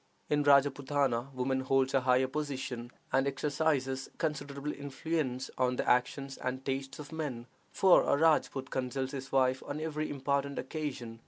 In Rajpootana woman holds a higher position, and exercises considerable influence on the actions and tastes of men, for a Rajpoot consults his wife on every important occasion.